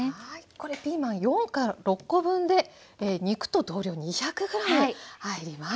これピーマン４から６コ分で肉と同量２００ｇ入ります。